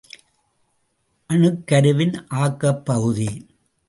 அணுக் கருவின் ஆக்கப் பகுதி.